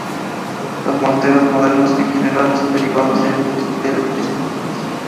Los morteros modernos en general son derivados directos del Stokes.